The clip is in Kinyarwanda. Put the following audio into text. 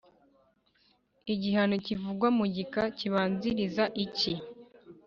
Igihano kivugwa mu gika kibanziriza iki